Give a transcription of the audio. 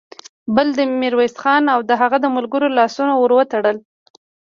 بل د ميرويس خان او د هغه د ملګرو لاسونه ور وتړل.